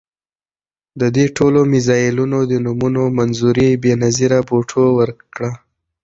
د دې ټولو میزایلونو د نومونو منظوري بېنظیر بوټو ورکړه.